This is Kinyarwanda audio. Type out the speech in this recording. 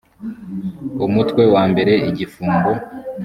umutwe wa mbere igifungo